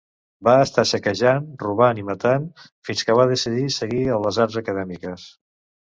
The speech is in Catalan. Va estar saquejant, robant i matant, fins que va decidir seguir les arts acadèmiques.